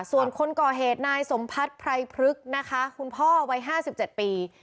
ส่วนคนก่อเหตุนายสมพัฒน์ไพรพฤกษ์นะคะคุณพ่อวัย๕๗ปี